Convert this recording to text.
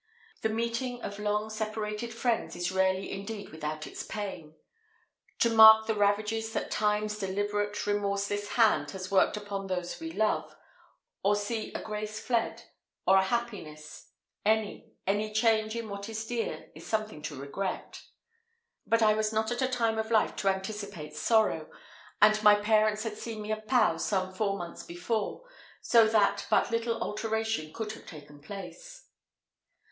The meeting of long separated friends is rarely indeed without its pain. To mark the ravages that Time's deliberate, remorseless hand has worked upon those we love to see a grace fled or a happiness any, any change in what is dear, is something to regret. But I was not at a time of life to anticipate sorrow; and my parents had seen me at Pau some four months before, so that but little alteration could have taken place.